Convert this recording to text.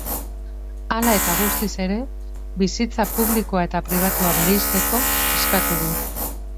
Hala eta guztiz ere, bizitza publikoa eta pribatua bereizteko eskatu du.